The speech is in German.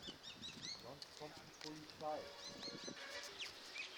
Sonst kommt die Polizei.